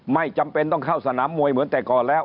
ไม่จำเป็นต้องเข้าสนามมวยเหมือนแต่ก่อนแล้ว